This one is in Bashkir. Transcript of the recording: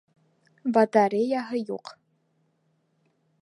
Батареяһы юҡ!